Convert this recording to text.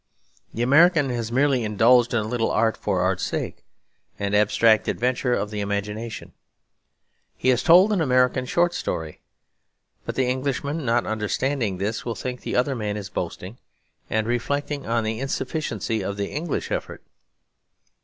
The American has merely indulged in a little art for art's sake, and abstract adventure of the imagination; he has told an American short story. But the Englishman, not understanding this, will think the other man is boasting, and reflecting on the insufficiency of the English effort.